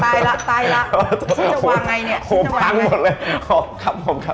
ตายละตายละฉันจะวางไงเนี่ยผมพังหมดเลยครับผมครับ